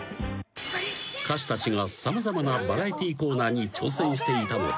［歌手たちが様々なバラエティーコーナーに挑戦していたのだ］